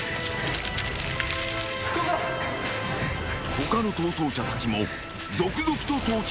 ［他の逃走者たちも続々と到着］